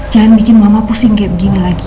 jangan bikin mama pusing kayak begini lagi